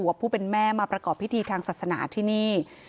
กับผู้เป็นแม่มาประกอบพิธีทางศาสนาที่นี่